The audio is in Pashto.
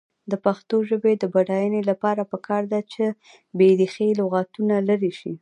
د پښتو ژبې د بډاینې لپاره پکار ده چې بېریښې لغتونه لرې شي.